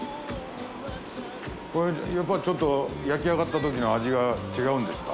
これやっぱりちょっと焼きあがったときの味が違うんですか？